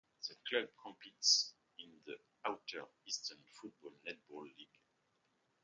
The club competes in the Outer East Football Netball League.